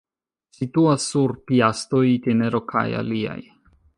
Situas sur Piastoj-itinero kaj aliaj.